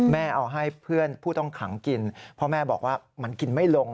แม่เอาให้เพื่อนผู้ต้องขังกินเพราะแม่บอกว่ามันกินไม่ลง